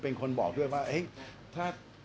นั่นคนเดียวครับ